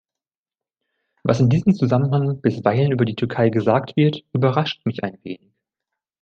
Was in diesem Zusammenhang bisweilen über die Türkei gesagt wird, überrascht mich ein wenig.